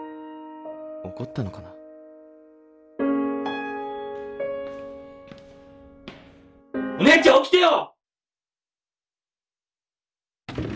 怒ったのかなお姉ちゃん起きてよ！